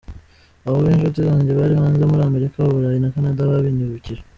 Abo b’inshuti zanjye bari hanze muri Amerika, u Burayi na Canada babinyibukije…”.